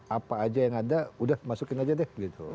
apa aja yang ada udah masukin aja deh gitu